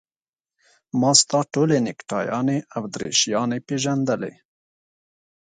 ما ستا ټولې نکټایانې او دریشیانې پېژندلې.